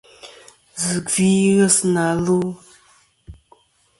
Zɨ gvi ghesi na lu.